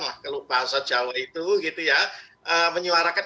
kalau bahasa jawa itu ya menyuarakan